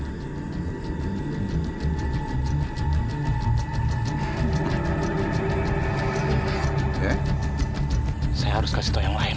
kita harus minta pertanggung jawaban